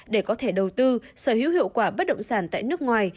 để có thể đầu tư sở hữu hiệu quả bất động sản tại nước ngoài